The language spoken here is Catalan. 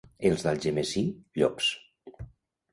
Els d'Algemesí, llops.